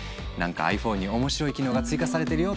何かｉＰｈｏｎｅに面白い機能が追加されてるよ！